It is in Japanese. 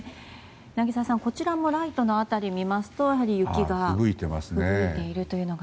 柳澤さん、こちらもライトの辺りを見ますと雪がふぶいているのが。